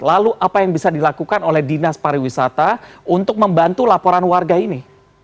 lalu apa yang bisa dilakukan oleh dinas pariwisata untuk membantu laporan warga ini